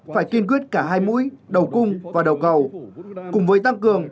phải kiên quyết cả hai mũi đầu cung và đầu cầu cùng với tăng cường